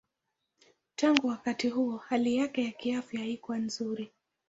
Tangu wakati huo hali yake ya kiafya haikuwa nzuri.